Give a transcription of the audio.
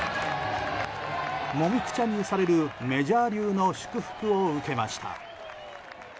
もみくちゃにされるメジャー流の祝福を受けました。